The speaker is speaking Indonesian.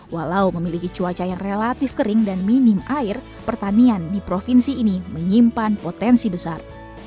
walau memiliki cuaca yang relatif kering dan minim air pertanian di provinsi ini menyimpan potensi besar